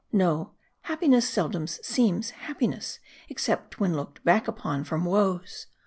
No: happiness seldom seems happiness, except when looked back upon from woes.